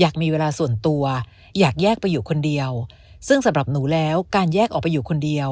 อยากมีเวลาส่วนตัวอยากแยกไปอยู่คนเดียวซึ่งสำหรับหนูแล้วการแยกออกไปอยู่คนเดียว